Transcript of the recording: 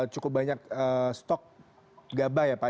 cukup banyak stok gabah ya pak